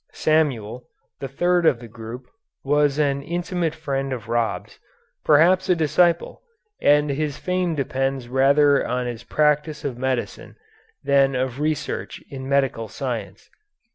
Samuel, the third of the group, was an intimate friend of Rab's, perhaps a disciple, and his fame depends rather on his practice of medicine than of research in medical science.